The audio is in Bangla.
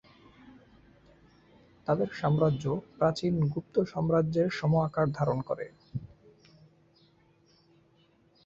তাদের সাম্রাজ্য প্রাচীন গুপ্ত সাম্রাজ্যের সম আকার ধারণ করে।